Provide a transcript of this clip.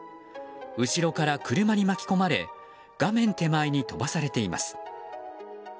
後ろから車に巻き込まれ画面手前に飛ばされています。